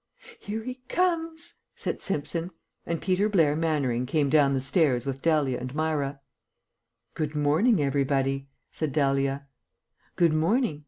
"Here he comes!" said Simpson, and Peter Blair Mannering came down the stairs with Dahlia and Myra. "Good morning, everybody," said Dahlia. "Good morning.